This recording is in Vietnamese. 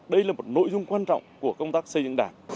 đây là một nội dung quan trọng của công tác xây dựng đảng